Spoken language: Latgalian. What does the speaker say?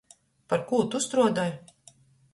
Par kū tu struodoj?